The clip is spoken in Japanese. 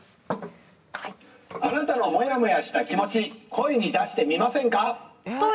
あなたのモヤモヤした気持ち声に出してみませんか。